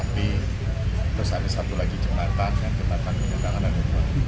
tapi terus ada satu lagi jembatan yang kita akan menjaga nanti